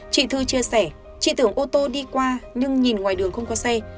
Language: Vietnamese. chị thư chia sẻ chị tưởng ô tô đi qua nhưng nhìn ngoài đường không có xe